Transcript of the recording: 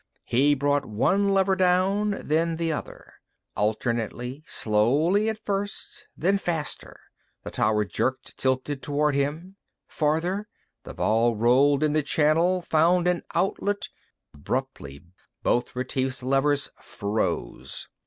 He brought one lever down, then the other, alternately, slowly at first, then faster. The tower jerked, tilted toward him, farther.... The ball rolled in the channel, found an outlet Abruptly, both Retief's levers froze.